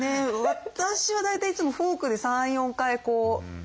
私は大体いつもフォークで３４回こう。